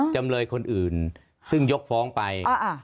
จำเลยคนอื่นซึ่งยกฟ้องไป